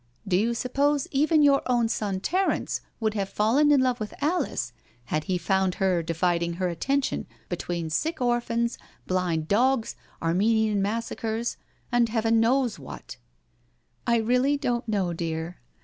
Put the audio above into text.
Do you suppose even your own son Terence would have fallen in love with Alice had he found her dividing her attention between sick orphans, blind dogs, Armenian massacres, and Heaven knows what "" I really don't know, dear."